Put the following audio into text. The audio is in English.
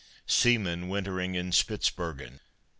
SEAMEN WINTERING IN SPITZBERGEN.